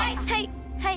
はい。